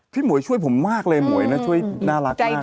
พี่หม่วยช่วยผมมากเลยหม่วยช่วยน่ารัก